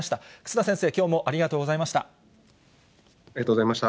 忽那先生、きょうもありがとうごありがとうございました。